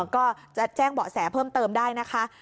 ก็จะแจ้งเบาะแสเพิ่มเติมได้นะคะ